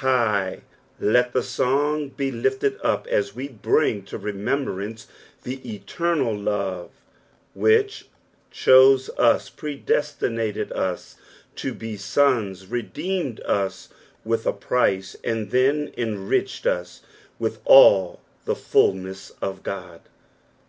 High let the song be lifted up as we bring to remembrance the eternal love which chose us, predestinated us to l>e sons, redeemed us with a price, and then enriched us with all the fulness of God.